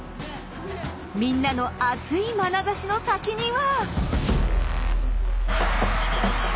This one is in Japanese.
みんなの熱いまなざしの先には。